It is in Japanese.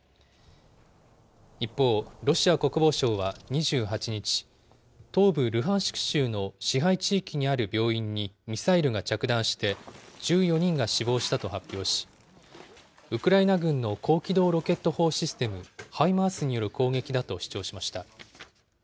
一方、ロシア国防省は２８日、東部ルハンシク州の支配地域にある病院にミサイルが着弾して、１４人が死亡したと発表し、ウクライナ軍の高機動ロケット砲システム、ハイマースによる攻撃だと主張しました。